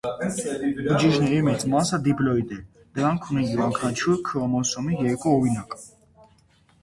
Բջիջների մեծ մասը դիպլոիդ է՝ դրանք ունեն յուրաքանչյուր քրոմոսոմի երկու օրինակ։